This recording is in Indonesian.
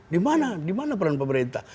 di mana peran pemerintah